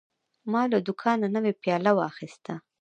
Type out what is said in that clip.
ما له دوکانه نوی پیاله واخیسته.